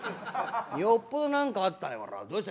よっぽど何かあったよこりゃ。